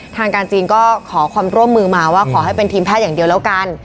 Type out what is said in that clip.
ทางการจีนก็ขอความร่วมมือมาว่าขอให้เป็นทีมแพทย์อย่างเดียวแล้วกัน